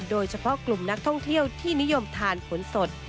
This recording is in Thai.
โดยเฉพาะกลุ่มนักท่องเที่ยวที่นิยมทานผลสด